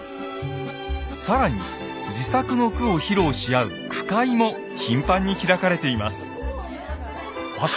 更に自作の句を披露し合う「句会」も頻繁に開かれています。